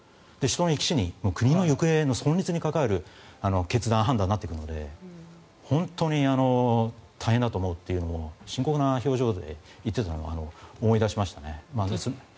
人の生き死に、国の存立に関わる決断になってくるので本当に大変だと思うというのを深刻な表情で言っていたのを思い出しましたね。